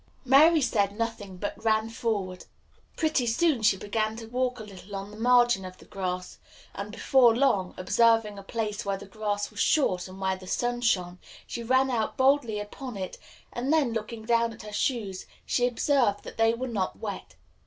Mary said nothing, but ran forward. Pretty soon she began to walk a little on the margin of the grass, and, before long, observing a place where the grass was short and where the sun shone, she ran out boldly upon it, and then, looking down at her shoes, she observed that they were not wet.